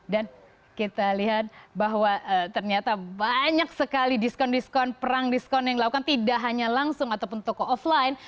dan kita lihat bahwa ternyata banyak sekali diskon diskon perang diskon yang dilakukan tidak hanya langsung ataupun toko offline